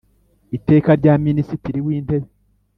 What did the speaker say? Iteka rya Minisitiri w Intebe